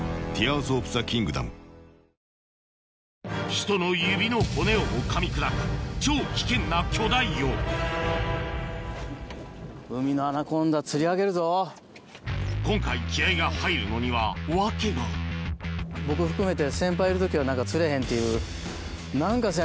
人の指の骨をもかみ砕く超危険な巨大魚今回気合が入るのには訳が何か知らんけど。